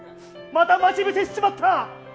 また待ち伏せしちまった。